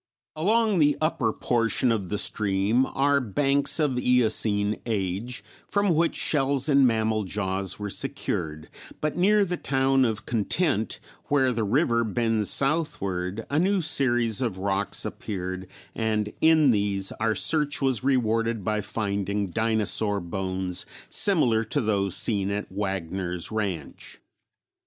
] Along the upper portion of the stream are banks of Eocene age, from which shells and mammal jaws were secured, but near the town of Content where the river bends southward, a new series of rocks appeared and in these our search was rewarded by finding dinosaur bones similar to those seen at Wagner's ranch.